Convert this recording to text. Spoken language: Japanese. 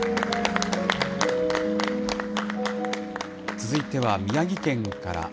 続いては宮城県から。